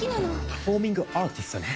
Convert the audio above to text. パフォーミングアーティストね。